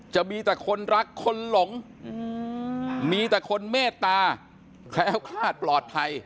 จะมีแต่คนรักคนหลงมีแต่คนเมตตาแคล้วคลาดปลอดภัย